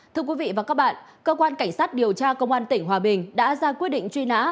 thưa quý vị và các bạn cơ quan cảnh sát điều tra công an tỉnh hòa bình đã ra quyết định truy nã